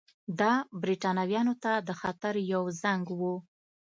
دا برېټانویانو ته د خطر یو زنګ وو.